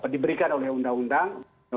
diberikan oleh undang undang